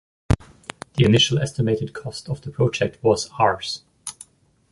The initial estimated cost of the project was Rs.